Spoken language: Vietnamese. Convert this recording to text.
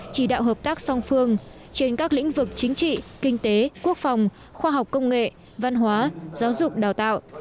chỉ đạo hợp tác song phương trên các lĩnh vực chính trị kinh tế quốc phòng khoa học công nghệ văn hóa giáo dục đào tạo